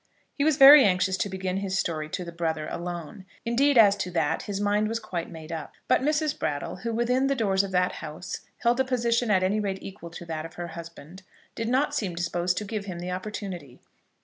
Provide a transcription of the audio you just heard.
He was very anxious to begin his story to the brother alone. Indeed, as to that, his mind was quite made up; but Mrs. Brattle, who within the doors of that house held a position at any rate equal to that of her husband, did not seem disposed to give him the opportunity.